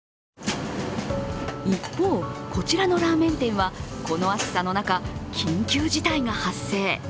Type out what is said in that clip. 一方、こちらのラーメン店はこの暑さの中、緊急事態が発生。